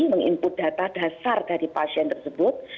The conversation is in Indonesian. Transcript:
meng input data dasar dari pasien tersebut